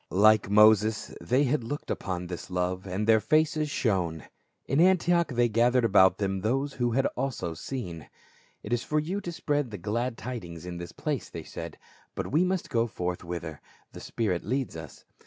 Like Moses they had looked upon this love, and their faces shone. In Antioch they gathered about them those who had also seen. " It is for you to spread the glad tidings in this place," they said, "but we must go forth whither the spirit leads us."